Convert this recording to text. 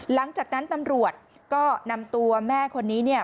หลังจากนั้นตำรวจก็นำตัวแม่คนนี้เนี่ย